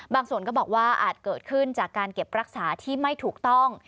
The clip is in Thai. ส่วนก็บอกว่าอาจเกิดขึ้นจากการเก็บรักษาที่ไม่ถูกต้อง